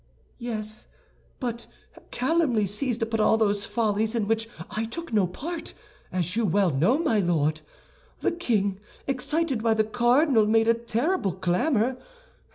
"Yes, but calumny seized upon all those follies in which I took no part, as you well know, my Lord. The king, excited by the cardinal, made a terrible clamor.